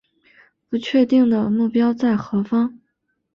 不确定的目标在何方